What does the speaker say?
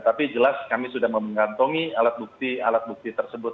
tapi jelas kami sudah mengantongi alat bukti alat bukti tersebut